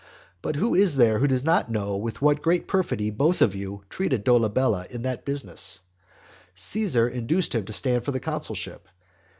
But who is there who does not know with what great perfidy both of you treated Dolabella in that business? Caesar induced him to stand for the consulship.